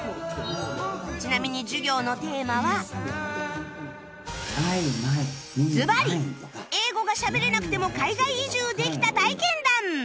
ちなみにずばり英語がしゃべれなくても海外移住できた体験談